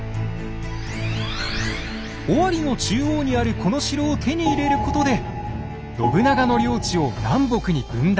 尾張の中央にあるこの城を手に入れることで信長の領地を南北に分断。